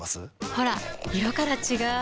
ほら色から違う！